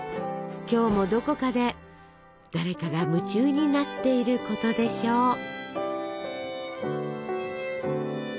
今日もどこかで誰かが夢中になっていることでしょう。